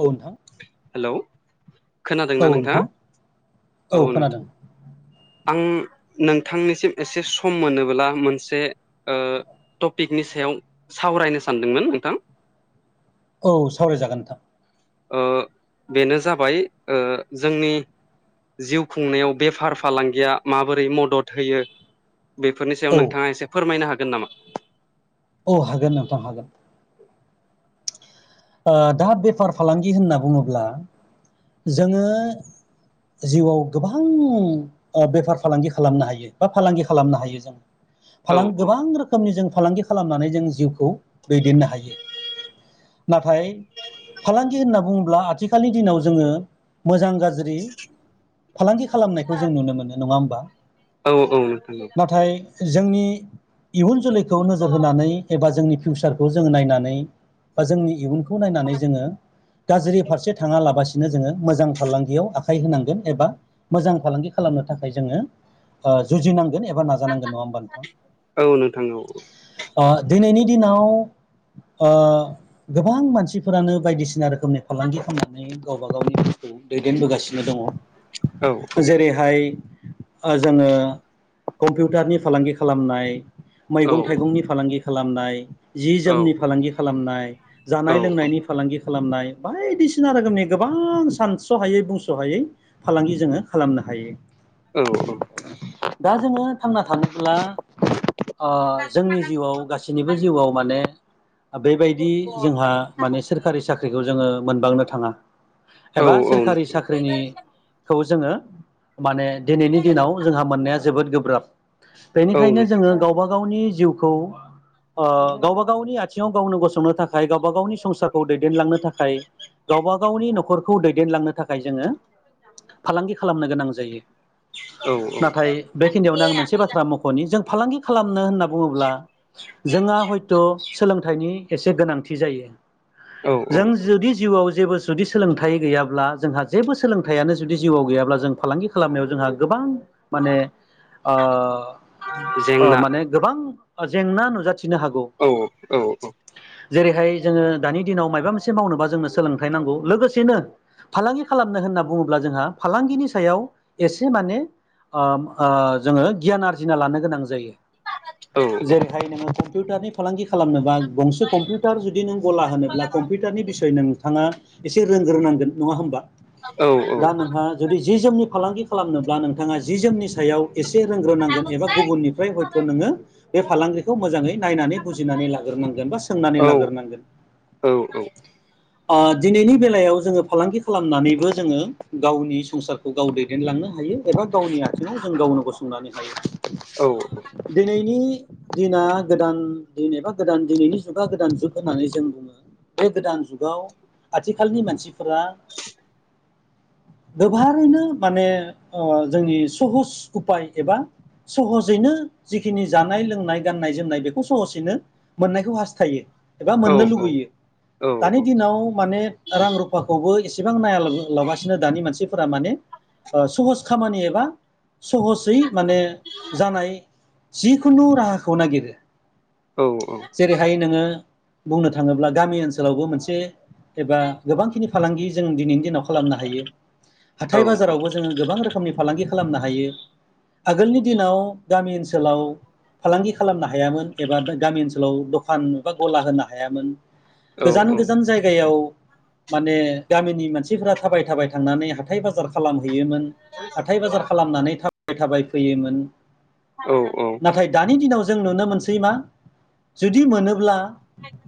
औ नोंथां। हेलौ औ खोनादोंना नोंथाङा नोंथां औ नोंथाङा। आं नोंथांनिसिम एसे सम मोनोब्ला मोनसे टपिकनि सायाव सावरायनो सानदोंमोन नोंथां। औ सावरायजागोन नोंथां। ओ बेनो जाबाय ओ जोंनि जिउ खुंनायाव बेफार फालांगिया माबोरै मदद होयो बेफोरनि सायाव औ नोंथाङा एसे फोरमायनो हागोन नामा। औ हागोन नोंथां हागोन। ओ दा बेफार फालांगि होनना बुङोब्ला जोङो जिउआव गोबां बेफार फालांगि खालामनो हायो बा फालांगि खालामनो हायो जों औ फालां गोबां रोखोमनि जों फालांगि खालामनानै जों जिउखौ दैदेननो हायो नाथाय फालांगि होनना बुङोब्ला आथिखालनि दिनाव जोङो मोजां गाज्रि फालांगि खालामनायखौ जों नुनो मोनो नङा होमबा औ औ नोंथां। नाथाय जोंनि इयुन जोलैखौ नोजोर होनानै एबा जोंनि फिउचारखौ जोङो नायनानै बा जोंनि इयुनखौ नायनानै जोङो गाज्रि फारसे थाङा लाबासिनो जोङो मोजां फालांगियाव आखाय होनांगोन एबा मोजां फालांगि खालाम खालामनो थाखाय जोङो जुजिनांगौ। एबा नाजानांगोन नङा होमबा नोंथां। औ औ नोंथां औ अ दिनैनि दिनाव ओ गोबां मानसिफोरानो बायदिसिना रोखोमनि फालांगि खालामनानै गावबा गावनि गोसखौ दैदेनबोगासिनो औ दङ। जेरैहाय ओ जोङो कम्पिउटारनि फालांगि खालामनाय। औ मैगं थाइगंनि फालांगि खालामनाय जि जोमनि फालांगि खालामनाय। जानाय लोंनायनि फालांगि। खालामनाय बायदिसिना रोखोमनि गोबां सानस' हायै बुंस' हायै फालांगि जोङो खालामनो हा हायो। औ औ दा जोङो थांना थानोब्ला ओ जोंनि जिउआव गासैनिबो जिउआव माने बेबायदि जोंहा माने सोरखारि साख्रिखौ जोङो मोनबांनो थाङा। औ एबा सोरखारि नोंथां साख्रिनिखौ जोङो माने दिनैनि दिनाव जोंहा मोननाया जोबोद गोब्राब। औ बेनिखायनो नोंथां जोङो गावबा गावनि बि जिउखौ ओ गावबा गावनि आथिङाव गावनो गसंनो थाखाय खाय गावबा गावनि संसारखौ दैदेनलांनो थाखाय गावबा गावनि न'खरखौ दैदेनलांनो थाखाय जोङो फालांगि खालामनो गोनां जायो। औ नाथाय बेखिनियावनो आं मोनसे बाथ्रा मख'नि जों फालांगि खालामनो होनना बुङोब्ला जोंहा हयथ' सोलोंथाइनि एसे गोनां थि जायो औ औ जों जुदि जिउ आव जेबो जुदि सोलोंथाइ गैयाब्ला जोंहा जेबो सोलोंथाइयानो जुदि जिउआव गैयाब्ला जों फालांगि खालामनायाव जोंहा गोबां माने ओ अ जेंना माने गोबां जेंना नुजाथ औ औ औ जेरैहाय जोङो दानि दिनाव मायबा मोनसे मावनोबा जोंनो सोलोंथाइ नांगौ लोगोसेनो फालांगि खालामनो होनना बुङोब्ला जोंहा फालांगिनि सायाव एसे माने अब ओ जोङो गियान आरजिना लानो गोनां जायो। औ औ औ जेरैहाय नोङो कम्पिउटारनि फालांगि खालामनोबा गंस कम्पिउटार जुदि नों गला होनोब्ला कम्पिउटारनि बिसय नोंथाङा एसे रोंग्रोनांगोन नङा ओमबा। औ औ औ जि जोमनि फालांगि खालामनोब्ला नोंथाङा जि जोमनि सायाव एस से रोंग्रोनांगोन एबा गुबुननिफ्राय हयथ' नोङो बे फालांगिखौ मोजाङै नायनानै बुजिनानै लाग्रोनांगोन। बा सोंनानै लाग्रोनांगोन। अ दिनैनि बेलायाव जोङो फालांगि खालामनानैबो जोङो गावनि संसारखौ गाव दैदेनलांनो हायो। हायो एबा गावनि आथिङाव जों गावनो गसंनानै थायो दिनैनि दिना गोदान दिन एबा गोदान दिनैनि जुगा गोदान जुग। होननानै जों बुङो बे गोदान जुगाव आथिखालनि मानसिफोरा [inaudible] गोबारैनो माने ओ जोंनि सहस उफाय एबा सहजैनो नो जिखिनि जानाय लोंनाय गाननाय जोमनाय बेखौ सहसैनो मोननायखौ हास्थायो। एबा मोननो लुगैयो। दानि दिनाव माने रां रुफाखौबो एसेबां नाया लाब लाबासिनो दानि मानसि फोर माने सहस खामानि एबा सहसै माने जानाय। जिखुनु राहाखौ नागिरो जेरैहाय नोङो बुंनो थाङोब्ला गामि ओनसोलावबो मोनसे एबा गोबांखिनि फालांगि जों दिनैनि दिनाव खालामनो हायो। हाथाय औ बाजारावबो जोङो गोबां रोखोमनि फालांगि खालामनो हायो। आगोलनि दिनाव गामि ओनसो सोलाव फालांगि खालामनो हायामोन एबा गामि ओनसोलाव दखान बा गला होनो हायामोन। गोजान गोजान जायगायाव माने गामिनि मानसिफोरा थाबाय थाबाय थांनानै हाथाय बाजार खालामो। हैैयोमोन हाथाय बाजार खालामनानै थाबाय थाबाय फैयोमोन नाथाय दानि दिनाव जों नुनो मोनसै मा जुदि मोनोब्ला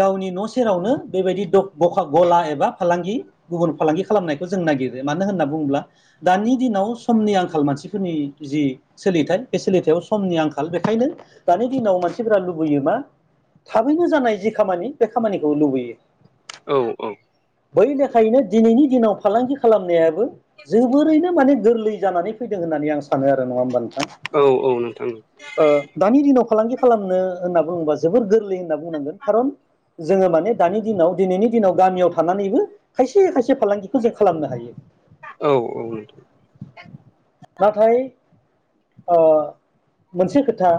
गावनि न' सेरावनो बेबायदि द खा गला एबा फालांगि गुबुन फालांगि खालामनायखौ जों नागिरो मानो होनना बुङो ब्ला दानि दिनाव समनि आंखाल मानसिफोरनि जि सोलिथाय बे सोलिथायाव समनि आंखाल बेखायनो दानि दिनाव मानसिफोरा लुबैयो मा थाबैनो जानाय जि खामानि बे खामानिखौ लुबैयो औ औ बै लेखायैनो दिनैनि दिनाव फालांगि खालामनायाबो जोबोरैनो माने गोरलै जानानै फैदों होन होन आं सानो आरो नङा होमबा नोंथां औ औ नोंथां ओ दानि दिनाव फालांगि खालामनो होनना बुङोबा जोबोर गोरलै होनना बुंनांगोन खारन जोङो माने दानि दिनाव दिनैनि दिनाव गामियाव थानानैबो खायसे खायसे फालांगिखौ जों खालामनो हायो औ औ नोंथा अ मोनसे खोथा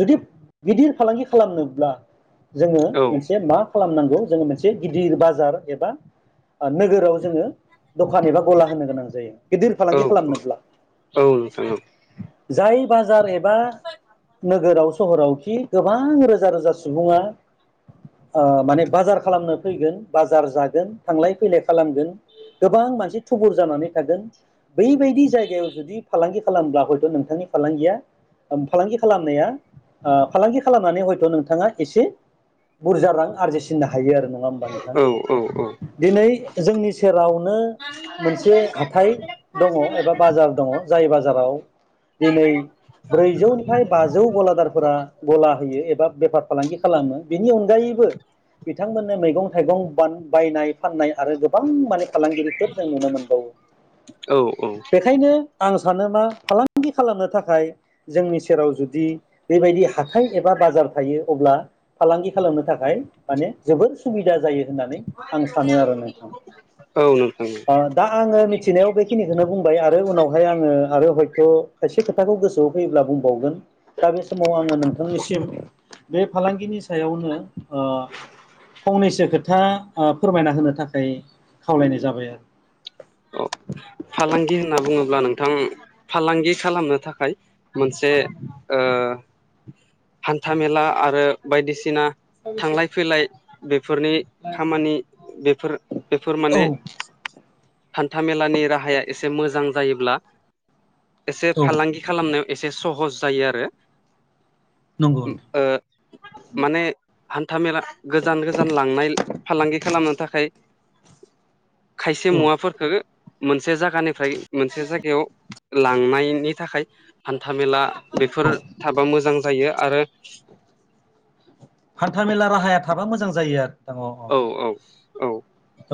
जुदि गिदिर फालांगि खालामनोब्ला जोङो मोनसे मा खालामनांगौ जोङो मोनसे गिदिर बाजार एबा नोगोराव जोङो दखान एबा गला होनो गोनां जायो गिदिर औ फालांगि नोंथां खालामनोब्ला औ औ जाय बाजार एबा नोगोराव सहरावखि गोबां रोजा रोजा सुबुङा ओ माने बाजार खालामनो फैगोन बाजार जागोन थांलाय फैलाय खालामगोन गोबां मानसि थुबुर जानानै थागोन बैबायदि जायगायाव जुदि फालांगि खालामब्ला हयथ' नोंथांनि फालांगिया फालांगि खालामनाया ओह फालांगि खालामनानै हयथ' नोंथाङा एसे बुरजा रां आरजिसिननो हायो आरो नङा होमबा नोंथां दिनै जोंनि सेराव ओह मोनसे हाथाय दङ एबा बाजार दङ जाय बाजाराव दिनै ब्रैजौनिफ्राय बाजौ गलादारफोरा गला होयो एबा बेफार फालांगि खालामो बिनि अनगायैबो बिथांमोननो मैगं थाइगं बान बायनाय फाननाय आरो गोबां माने फालांगिरिफोर जों नुनो मोनबावो बेखायनो आं सानो मा फालांगि खालामनो थाखाय जोंनि सेराव जुदि बेबायदि हाथाय एबा बाजार थायो अब्ला फालांगि खालामनो थाखाय माने जोबोर सुबिदा जायो होननानै आं सानो आरो नोंथां औ नोंथां औ ओ दा आङो मिथिनायाव बेखिनिखौनो बुंबाय आरो उनावहाय आङो आरो हय' थ खायसे खोथाखौ गोसोआव फैयोब्ला बुंबावगोन दा बे समाव आङो नोंथांनि सि बे फालांगिनि सायावनो ओ फंनैसो खोथा ओ फोरमायना होनो थाखाय खावलायनाय जाबाय आरो औ फालांगि होनना बुङोब्ला नोंथां फालांगि खालामनो थाखाय मोनसे ओ ओ हान्था मेला आरो बायदिसिना थांलाय फैलाय बे फोरनि खामानि बेफोर बेफोर औ माने हान्था मेलानि राहाया एसे मोजां जायोब्ला एसे औ फालांगि खालामनो एसे सहस जायो आरो नंगौ ओ माने हान्था मेला गोजान गोजान लांनाय फालांगि खालामनो थाखाय खायसे औ मुवाफोर मोनसे जागानिफ्राय मोनसे जायगायाव लांनायनि थाखाय हान्थामेला बेफोर औ थाबा मोजां जायो आरो हान्था मेला राहाया थाबा मोजां जायो आरो अ औ औ औ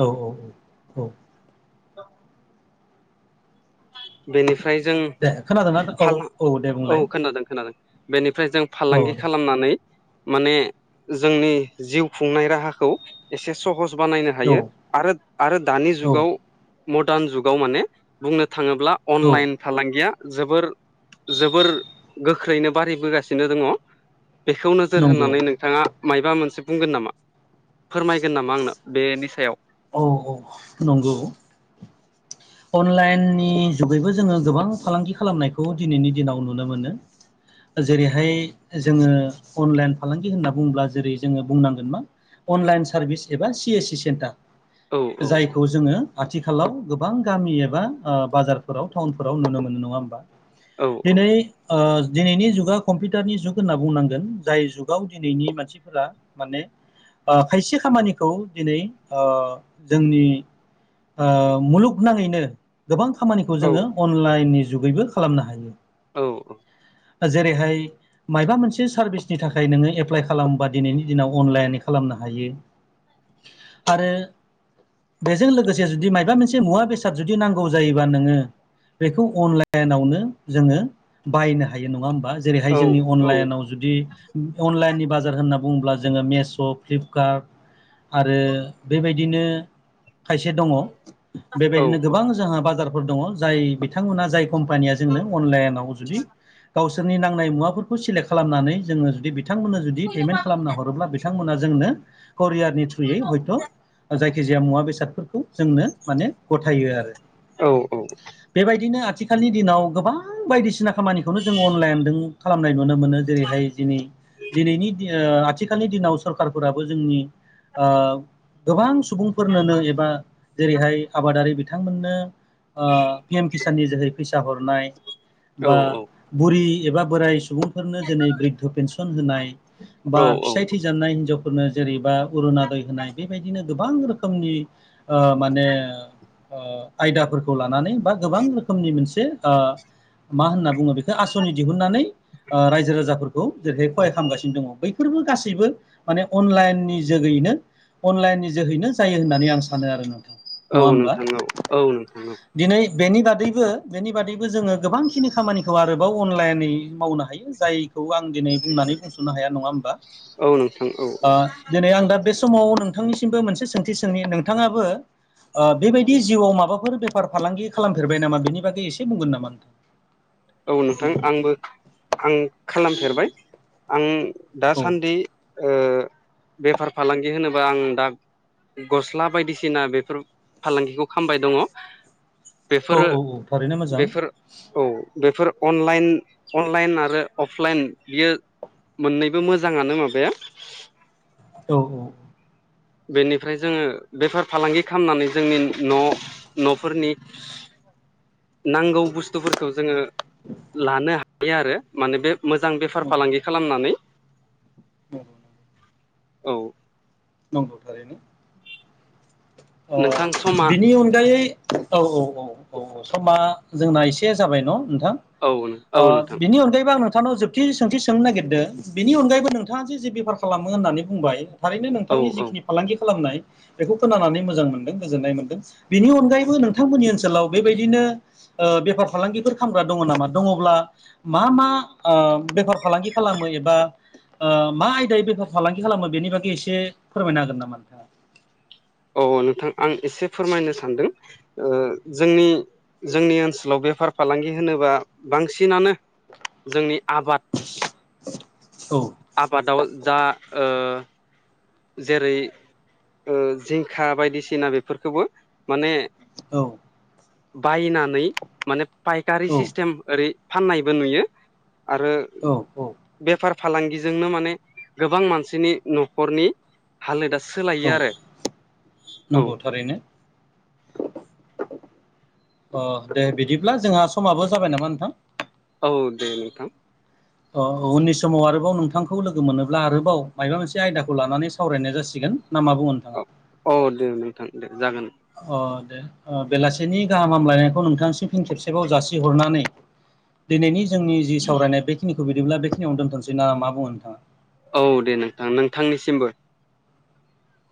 औ औ औ बेनिफ्राय जों दे खोनादोंना औ फालां दे औ बुंलाय खोनादों खोनादों बेनिफ्राय जों औ फालांगि दे खालामनानै माने जोंनि जिउ खुंनाय राहाखौ एसे सहस बनायनो औ हयो आरो आरो दानि औ जुगाव मरदान जुगाव माने बुंनो थाङोब्ला औ अनलाइन फालांगिया जोबोर जोबोर गोख्रैनो बारायबोगासिनो दङ। बेखौ नोजोर नंगौ होनानै नोंथाङा मायबा मोनसे बुंगोन नामा फोरमायगोन नामा आंनो बेनि सायाव औ औ नंगौ नि जुगैबो जोङो गोबां फालांगि खालामनायखौ दिनैनि दिनाव नुनो मोनो। जेरैहाय जोङो अनलाइन फालांगि होनना बुंङोब्ला जेरै जोङो बुंनांगोन मा अनलाइन सारभिस एबा सि एस सि औ सेन्टार औ जायखौ जोङो आथिखालाव गोबां गामि एबा ओ बाजारफोराव टाउनफोराव नुनो मोनो नङा होमबा। औ दिनै ओ दिनैनि जुगा कम्पिउटारनि जुग होनना बुंनांगोन जाय जुगाव दिनैनि मानसिफोरा माने ओ खायसे खामानिखौ दिनै ओ जोंनि ओ मुलुगनाङैनो गोबां खामानिखौ औ जोङो अनलाइननि जुगैबो खालामनो हायो। औ औ। जेरैहाय मायबा मोनसे सारभिसनि थाखाय नोङो एप्लाइ खालामबा दिनैनि दिनाव अनलाइन खालाम नो हायो आरो बेजों लोगोसे जुदि मायबा मोनसे मुवा बेसाद जुदि नांगौ जायोबा नोङो बेखौ अनलाइनावनो जोङो बायनो हायो नङा होम बा जेरैहाय औ जोंनि आनलाइनाव जुदि अनलाइनि बाजार होना बुङोब्ला जोङो मेस्स' प्लिप कार्द आरो बेबा दिनो खायसे दङ औ बेबायदिनो गोबां जोंहा बाजाराव दङ जाय बिथांमोना जाय कम्पानिया जोंनो अनलाइनाव जुदि गावसोरनि नांनाय मुवाफोरखौ सेलेक्ट खालामनानै जोङो जुदि बिथांमोननो जुदि पेमेन्ट खालामना हरोब्ला बिथांमोना जोंनो करियारनि थ्रुयै हयथ'। जायखि जाया मुवा बेसादफोरखौ जोंनो माने गथायो आरो औ बेबायदिनो आथिखालनि दिनाव गोबां बायदिसिना खामानिखौनो जों अनलाइनदों खालामनाय नुनो मोनो जेरैहाय दिनै दिनैनि ओ दि आथिखालनि दिनाव सरखारफोराबो जोंनि ओ गोबां सुबुंफोरनोनो एबा जेरैहाय आबादारि बिथांमोननो ओ पि एम किसाननि जोहै फैसा हरनाय बा बुरि एबा बोराय सुबुंफोरनो जेरै बृद्ध' पेेनसन होनाय बा औ औ फिसाय थैजानाय हिनजाव फोरनो जेरैबा अरुनादय होनाय बे बिदिनो गोबां रोखोमनि ओ माने ओ आयदाफोरखौ लानानै बा गोबां रोखोमनि मोनसे ओ मा होनना बुङो बेखौ आसनि दिहुननानै ओ रायजो राजाफोर खौ जेरैहाय खहाय खालामगासिनो दङ बैफोरबो गासैबो माने अनलाइननि जोगैनो अनलाइननि जोहैनो जायो होननानै आं सानो आरो नोंथां औ नङा होमबा नोंथां औ औ नोंथां औ दिनै बेनि बादैबो बेनि बादैबो जोङो गोबांखिनि खामानिखौ आरोबाव अनलाइनै मावनो हायो जाय खौ आं दिनै बुंनानै बुंस'नो हाया नङा होमबा औ नोंथां औ ओ दिनै आं दा बे समाव नोंथांनिसिमबो मोनसे सोंथि सोंनि नोंथाङाबो ओ बेबायदि जिउआव माबाफोर बेफार फालांगि खालामफेरबाय नामा बेनि बागै एसे बुंगोन नामा। औ नोंथां आंबो आं खालामफेरबाय आं औ दासान्दि ओ बेफार फालांगि होनोबा आं दा गस्ला बायदिसिना बेफोर फालांगिखौ खामबाय दङ। औ बेफोरो औ औ थारैनो मोजां बेफोर औ फोर अनलाइन अनलाइन आरो अफलाइन बियो मोननैबो मोजाङानो माबाया। औ औ। बेनिफ्राय जोङो बेफार फालांगि खालामनानै जोंनि न' न'फोरनि नांगौ बुस्थुफोरखौ जोङो लानो हायो आरो माने बे मोजां बेफार फालांगि खालामनानै। औ। औ। नंगौ थारैनो। अ नोंथां समा बिनि अनगायै औ औ औ। औ औ समा जोंना एसे जाबाय न' नोंथां औ औ नोंथां बिनि अनगायैबो आंनों नोंथांनाव जोबथि सोंथि सोंनो नागिरदों बेनि अनगायैबो नोंथाङा जे जे बेफार खालामो होननानै बुंबाय। थारैनो औ नोंथांनि औ जिखिनि फालांगि खालामनाय बेखौ खोनानानै मोजां मोनदों गोजोननाय मोनदों बेनि अनगायैबो नोंथांमोननि ओनसोलाव बेबायदिनो ओ बेफार फालांगि बेफोर खालामामग्रा दङ नामा दङब्ला मा मा बेफार फालांगि खालामो एबा ओ मा आयदायै बेफार फालांगि खालामो बेनि बागै एसे फोरमायनो हागोन नामा नोंथाङा। औ औ नोंथां आं एसे फोरमायनो सानदों। ओ जोंनि जोंनि ओनसोलाव बेफार फालांगि होनोबा बांसिनानो जोंनि आबाद औ। आबादाव जा ओ जेरै जिंखा बायदिसिना बेफोरखौबो माने औ बायनानै माने फाइकारि औ सिस्टेम ओरै फाननायबो नुयो। आरो औ बेफार फालांगिजोंनो माने गोबां मानसिनि न'खरनि हालोदा सोलायो औ आरो औ औ। नंगौ थारैनो अ दे बिदिब्ला जोंहा समाबो जाबाय नामा नोंथां औ औ दे नोंथा। अ उननि समाव आरोबाव नोंथांखौ लोगो मोनोब्ला आरोबाव माबा मोनसे आयदाखौ लानानै सावरायनाय जासिगोन। ना मा बुङो अ नोंथाङा? औ दे नोंथां दे जागोन। अ दे बेलासिनि गाहाम हामलायनायखौ नोंथांसिम फिन खेबसेबाव जासिहरनानै। दिनैनि जोंनि जि सावरायनाय बेखिनिखौ बिदोंब्ला बेखिनियावनो दोनथोसै ना मा बुङो नोंथाङा। औ दे नोंथां नोंथांनिसिमबो।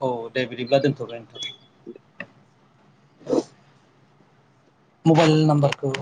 औ दे बिदिब्ला दोनथ'बाय नोंथां। मबाइल नामबारखौ